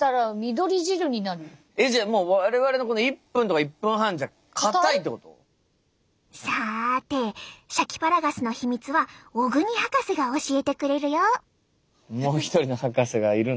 じゃあもうさてシャキパラガスの秘密は小國博士が教えてくれるよ。